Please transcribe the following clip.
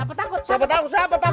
pas banget ya